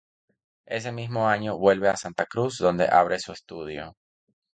Ese mismo año vuelve a Santa Cruz donde abre su estudio.